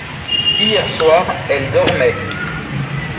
Hier soir, elle dormait…